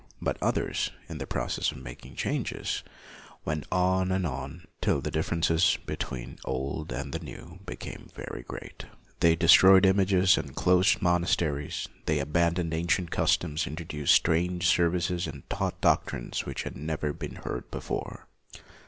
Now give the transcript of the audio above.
But others, in the process of making changes, went on and on, till the difference between the old and the new became very great. They destroyed images and closed mon asteries; they abandoned ancient customs, introduced strange services, and taught doctrines which had never been heard before.